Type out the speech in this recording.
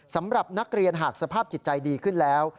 สำหรับนักเรียนหากสภาพจิตใจดีขึ้นแล้ว